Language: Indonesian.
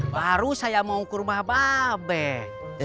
baru saya mau ke rumah babek